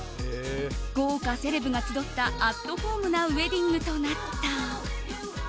豪華セレブが集ったアットホームなウェディングとなった。